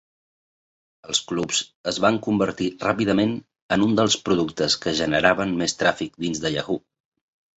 Els clubs es van convertir ràpidament en un dels productes que generaven més tràfic dins de Yahoo!.